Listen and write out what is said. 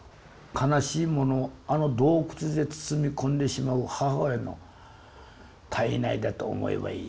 悲しいものをあの洞窟で包み込んでしまう母親の胎内だと思えばいい。